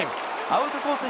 アウトコース